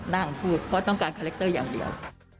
นั่งพูดเพราะต้องการคาแรคเตอร์อย่างเดียว